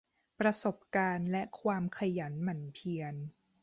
ประสบการณ์และความขยันหมั่นเพียร